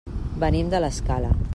Venim de l'Escala.